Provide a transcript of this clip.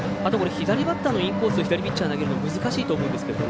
左バッターのインコースを左ピッチャーが投げるのは難しいと思うんですけども。